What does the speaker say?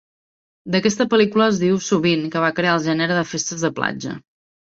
D'aquesta pel·lícula es diu sovint que va crear el gènere de festes de platja.